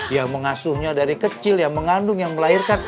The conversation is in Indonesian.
yang mengasuhnya dari kecil yang mengandung yang melahirkan